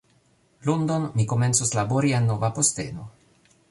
Lundon, mi komencos labori en nova posteno